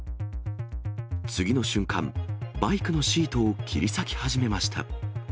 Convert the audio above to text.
次の瞬間、バイクのシートを切り裂き始めました。